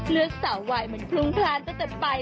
เลือกสาวไหวมันพุ่งพล้านไปตัดไป